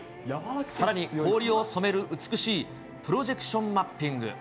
さらに氷を染める美しいプロジェクションマッピング。